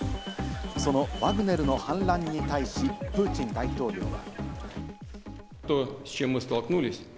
そのワグネルの反乱に対し、プーチン大統領は。